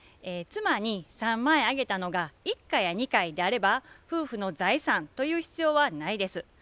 妻に３万円あげたのが１回や２回であれば夫婦の財産という必要はないです。